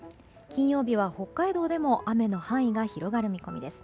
金曜日は北海道でも雨の範囲が広がる見込みです。